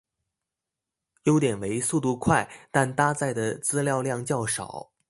优点为速度快但搭载的资料量较少。